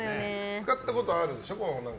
使ったことはあるでしょ